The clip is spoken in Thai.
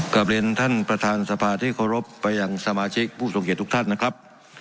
กลับเรียนท่านประธานสภาที่เคารพไปยังสมาชิกผู้ทรงเกียจทุกท่านนะครับ